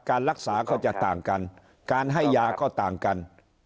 การรักษาก็จะต่างกันการให้ยาก็ต่างกัน